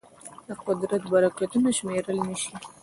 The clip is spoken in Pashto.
د قدرت برکتونه شمېرل نهشي.